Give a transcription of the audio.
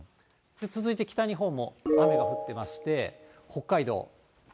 続いて北日本も雨が降ってまして、北海道。